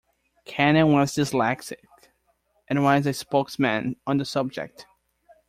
Cannell was dyslexic, and was a spokesman on the subject.